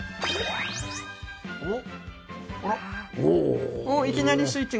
おっ。